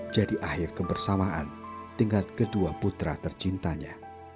jadi akhir kebersamaan dengan kedua putra tercintanya